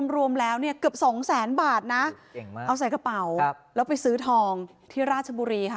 รวมแล้วเนี่ยเกือบสองแสนบาทนะเก่งมากเอาใส่กระเป๋าแล้วไปซื้อทองที่ราชบุรีค่ะ